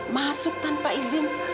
masuk tanpa izin